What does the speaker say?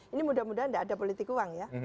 ini mudah mudahan tidak ada politik uang ya